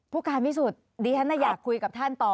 ผู้การวิสุทธิ์ดิฉันอยากคุยกับท่านต่อ